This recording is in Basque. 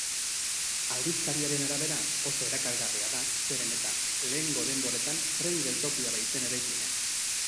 Aldizkariaren arabera, oso erakargarria da zeren eta lehengo denboretan tren-geltokia baitzen eraikina.